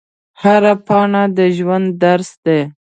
هره پاڼه د ژوند درس دی